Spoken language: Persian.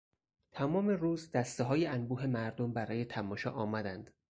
تمام روز دستههای انبوه مردم برای تماشا آمدند.